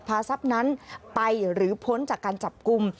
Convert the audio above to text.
ทรัพย์นั้นไปหรือพ้นจากการจับกลุ่ม